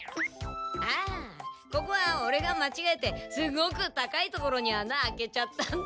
あここはオレがまちがえてすごく高い所に穴開けちゃったんだ。